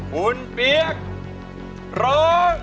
คุณเปี๊ยกโร่